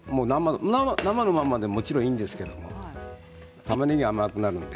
生のままでももちろんいいんですけどたまねぎ、甘くなるので。